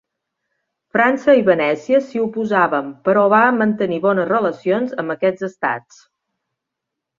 França i Venècia s'hi oposaven però va mantenir bones relacions amb aquests estats.